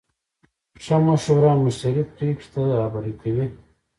ښه مشوره مشتری پرېکړې ته رهبري کوي.